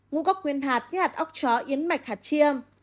ngũ gốc nguyên hạt như hạt ốc chó yến mạch hạt chia